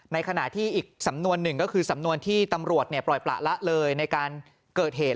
ในขณะที่อีกสำนวนหนึ่งก็คือสำนวนที่ตำรวจปล่อยประละเลยในการเกิดเหตุ